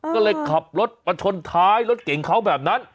ก็เลยขับรถมาชนท้ายรถเก่งเขาแบบนั้น